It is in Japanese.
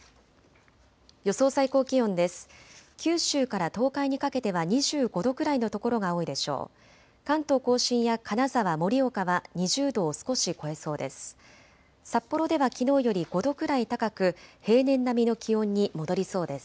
予想最高気温です。